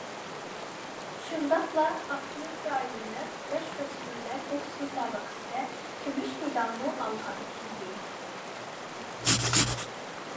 شۇنداقلا ئاپتونوم رايونلۇق ياش-ئۆسمۈرلەر بوكس مۇسابىقىسىدە كۈمۈش مېدالمۇ ئالغانىدى.